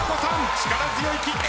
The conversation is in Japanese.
力強いキック。